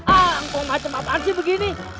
ah engkau macem apaan sih begini